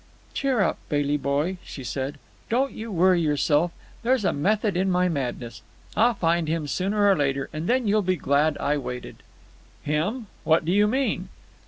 "Cheer up, Bailey boy," she said. "Don't you worry yourself. There's a method in my madness. I'll find him sooner or later, and then you'll be glad I waited." "Him? what do you mean?"